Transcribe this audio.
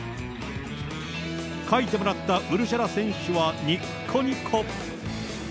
書いてもらったウルシェラ選手はにっこにこ。